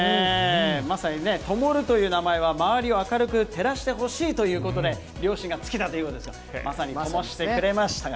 まさに灯という名前は周りを明るく照らしてほしいということで、両親が付けたということですが、まさにともしてくれましたが。